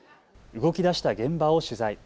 動きだした現場を取材。